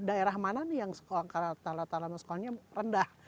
daerah mana nih yang angkarataratala sama sekolahnya rendah